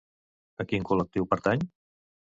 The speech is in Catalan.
A quin col·lectiu pertany?